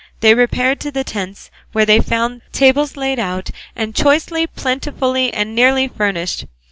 They repaired to the tents, where they found tables laid out, and choicely, plentifully, and neatly furnished.